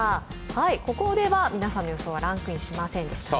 ここでは皆さんの予想はランクインしませんでしたね。